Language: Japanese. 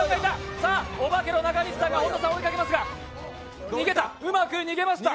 オバケの中西さんが本田さんを追いかけますがうまく逃げました。